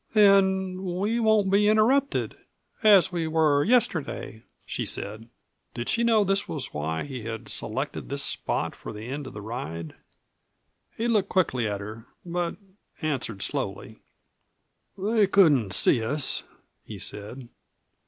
"Then we won't be interrupted as we were yesterday," she said. Did she know that this was why he had selected this spot for the end of the ride? He looked quickly at her, but answered slowly. "They couldn't see us," he said.